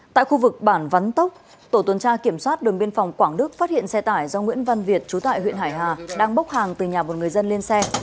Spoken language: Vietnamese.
tại khu vực bản văn tốc tổ tuần tra kiểm soát đồn biên phòng quảng đức phát hiện xe tải do nguyễn văn việt chú tại huyện hải hà đang bốc hàng từ nhà một người dân lên xe